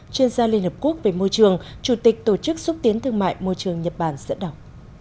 chuyên gia liên hợp quốc về môi trường chủ tịch tổ chức xúc tiến thương mại môi trường nhật bản dẫn đọc